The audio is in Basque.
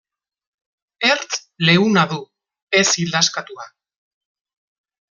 Ertz leuna du, ez ildaskatua.